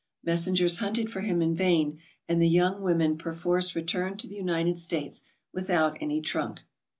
Messengers hunted •for him in vain and the young women perforce returned to the United States without any trunk.